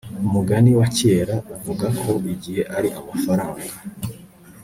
Umugani wa kera uvuga ko igihe ari amafaranga